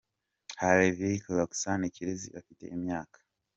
Hellevik Roxanne Kirezi: Afite imyaka ,, cm.